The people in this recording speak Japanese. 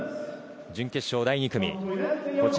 準決勝、第２組。